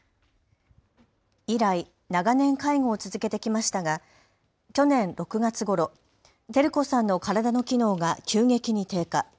以来、長年介護を続けてきましたが去年６月ごろ、照子さんの体の機能が急激に低下。